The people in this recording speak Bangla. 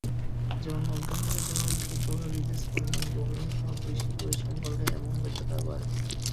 যেমন- অজ্ঞান হয়ে যাওয়া-দ্রুত হৃৎস্পন্দন-বমি ভাব-বেশি পরিশ্রম করলে এমন ব্যথাটা বাড়ে।